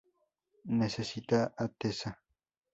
Necesita a Tessa.